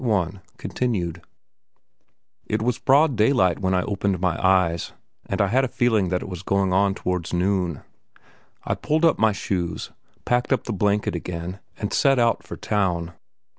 It was broad daylight when I opened my eyes, and I had a feeling that it was going on towards noon. I pulled on my shoes, packed up the blanket again, and set out for town.